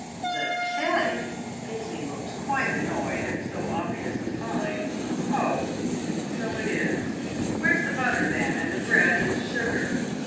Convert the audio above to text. "The caddy!" Pixie looked quite annoyed at so obvious a find. "Oh, so it is. Where's the butter then, and the bread, and the sugar?